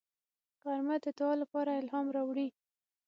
غرمه د دعا لپاره الهام راوړي